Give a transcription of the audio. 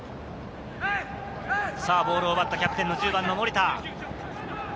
ボールを奪ったキャプテン・１０番の森田。